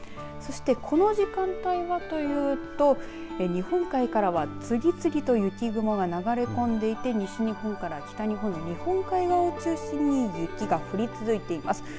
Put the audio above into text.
そして、この時間帯はというと日本海からは次々と雪雲が流れ込んでいて西日本から北日本の日本海側を中心に雪が降り続いています。